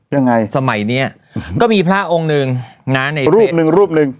ยังไงสมัยเนี้ยก็มีพระองค์นึงนะรูปนึงรูปนึง